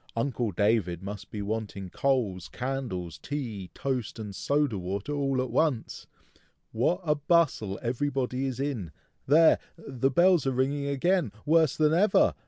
Uncle David must be wanting coals, candles, tea, toast, and soda water, all at once! What a bustle everybody is in! There! the bells are ringing again, worse than ever!